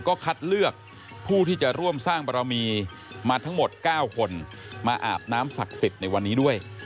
ก็คัดเลือกผู้ที่จะร่วมสร้างบรมีมาทั้งหมด๙คนมาอาบน้ำศักดิ์สิทธิ์ในวันนี้ด้วย